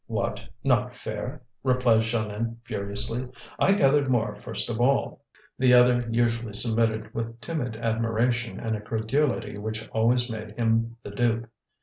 "What? not fair!" replied Jeanlin furiously. "I gathered more first of all." The other usually submitted with timid admiration and a credulity which always made him the dupe.